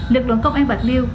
lực lượng công an bạc liêu